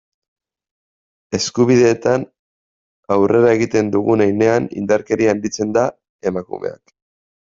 Eskubideetan aurrera egiten dugun heinean, indarkeria handitzen da, emakumeak.